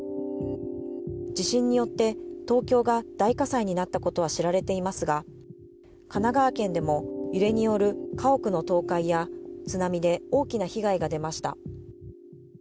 地震によって東京が大火災になったことは知られていますが、神奈川県でも揺れによる家屋の倒壊や津波で大きな被害が出ました。